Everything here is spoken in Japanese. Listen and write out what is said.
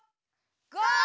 ゴー！